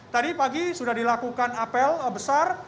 tadi pagi sudah dilakukan apel besar